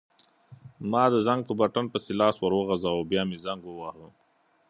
ما د زنګ په بټن پسې لاس وروغځاوه او بیا مې زنګ وواهه.